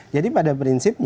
jadi pada prinsipnya